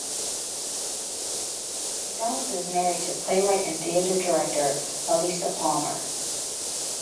MacDonald is married to playwright and theatre director Alisa Palmer.